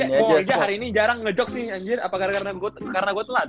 oh iya hari ini jarang nge jokes nih anjir apakah karena gue telat